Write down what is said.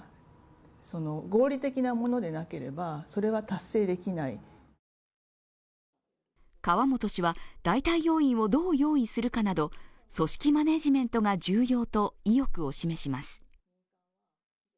提言を受けた人事院の川本総裁は川本氏は代替要員をどう用意するかなど、組織マネジメントが重要と意欲を示します。